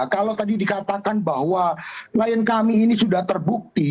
kalau tadi dikatakan bahwa klien kami ini sudah terbukti